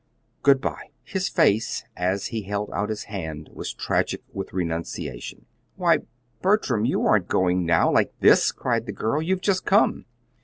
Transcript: Good by!" His face, as he held out his hand, was tragic with renunciation. "Why, Bertram, you aren't going now like this!" cried the girl. "You've just come!"